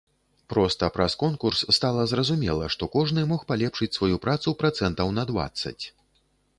Проста праз конкурс стала зразумела, што кожны мог палепшыць сваю працу працэнтаў на дваццаць.